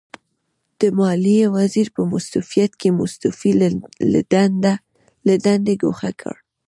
د ماليې وزیر په مستوفیت کې مستوفي له دندې ګوښه کړ.